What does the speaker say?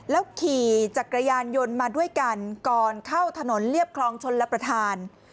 ขี่จักรยานยนต์มาด้วยกันก่อนเข้าถนนเรียบคลองชนรับประทาน